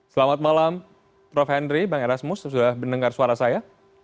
selamat malam prof henry bang erasmus sudah mendengar suara saya